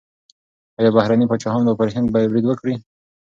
ایا بهرني پاچاهان به پر هند برید وکړي؟